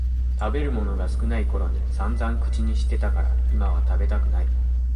食べるものが少ないころにさんざん口にしてたから今は食べたくない